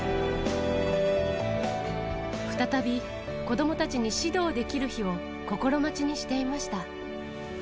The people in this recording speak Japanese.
再び、子どもたちに指導できる日を、心待ちにしていました。